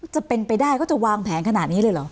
จะเป็นไปได้เขาจะวางแผนขนาดนี้เลยเหรอ